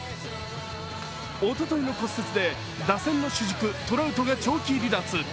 おとといの骨折で打線の主軸、トラウトが長期離脱。